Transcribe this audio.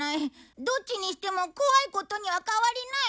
どっちにしても怖いことには変わりない！